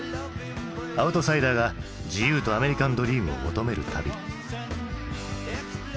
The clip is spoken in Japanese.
アウトサイダーが自由とアメリカン・ドリームを求める旅。